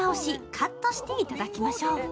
カットしていただきましょう。